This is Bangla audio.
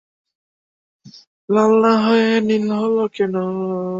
অন্যদিকে পানি আনতে গিয়ে অন্য নারীদের সঙ্গে তাঁদের সংঘাত তৈরি হচ্ছে।